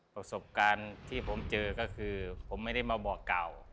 ประสบการณ์ที่ผมเจอก็คือผมไม่ได้มาบอกเก่า